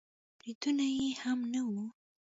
برېتونه يې هم نه وو.